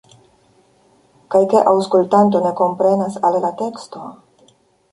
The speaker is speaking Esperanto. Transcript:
Kaj ke aŭskultanto ne komprenas al la teksto?